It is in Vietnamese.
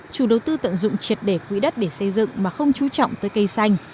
chủ đầu tư tận dụng triệt đề quỹ đất để xây dựng mà không chú trọng tới cây xanh